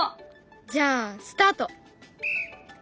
じゃあスタート！